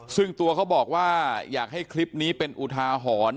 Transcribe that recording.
ซึ่งตัวเขาบอกว่าอยากให้คลิปนี้เป็นอุทาหรณ์